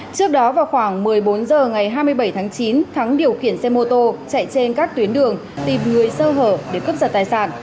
trước đó vào khoảng một mươi bốn h ngày hai mươi bảy tháng chín thắng điều khiển xe mô tô chạy trên các tuyến đường tìm người sơ hở để cướp giật tài sản